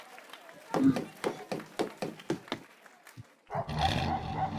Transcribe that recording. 传播媒介主要是硬蜱属及其它带菌动物。